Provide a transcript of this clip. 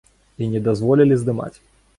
І не дазволілі здымаць.